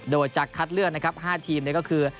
โดยจะคัดเลือก๕ทีมนี้ก็คือ